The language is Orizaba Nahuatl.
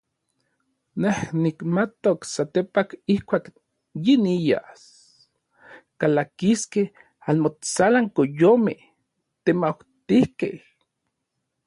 Nej nikmatok satepaj ijkuak yinias kalakiskej anmotsalan koyomej temautijkej.